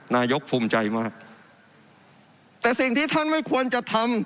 นายกภูมิใจมากแต่สิ่งที่ท่านไม่ควรจะทำ